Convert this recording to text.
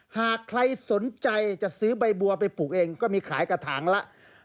หากใครสนใจจะซื้อใบบัวไปปลูกเองก็มีขายกระถางละ